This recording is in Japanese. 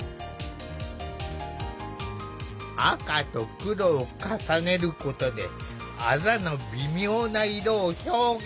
赤と黒を重ねることであざの微妙な色を表現。